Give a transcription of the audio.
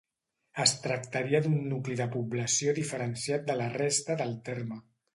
Es tractaria d'un nucli de població diferenciat de la resta del terme.